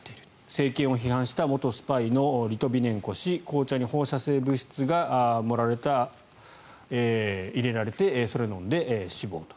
政権を批判した元スパイのリトビネンコ氏紅茶に放射性物質が入れられてそれを飲んで死亡と。